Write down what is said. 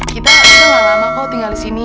kita gak lama kok tinggal disini